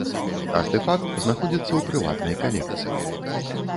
Артэфакт знаходзіцца ў прыватнай калекцыі.